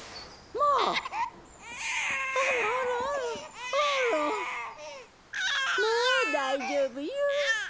もう大丈夫よ。